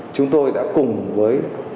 chúng tôi đã cùng với